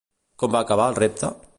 Com va acabar el repte?